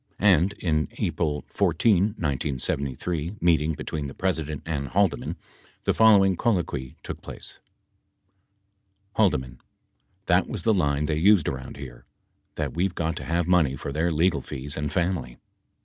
25 And in an April 14, 1973, meeting between the President and Haldeman, the following colloquy took place : H. That was the line they used around here. That we've got to have money for their legal fees and family.